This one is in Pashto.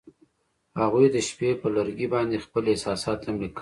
هغوی د شپه پر لرګي باندې خپل احساسات هم لیکل.